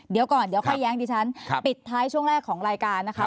เดี๋ยวก่อนเดี๋ยวค่อยแย้งดิฉันปิดท้ายช่วงแรกของรายการนะคะ